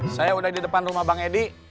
saya udah di depan rumah bang edi